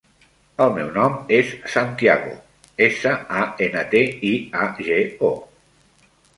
El meu nom és Santiago: essa, a, ena, te, i, a, ge, o.